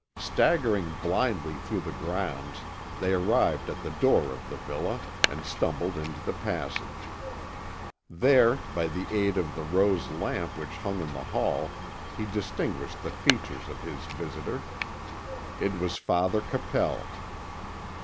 Staggering blindly through the grounds, they arrived at the door of the villa, and stumbled into the passage. There, by the aid of the rose lamp which hung in the hall, he distinguished the features of his visitor. It was Father Capel.